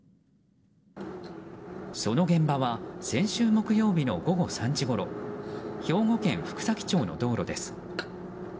その現場は先週木曜日の午後３時ごろ兵庫県福崎町の道路です。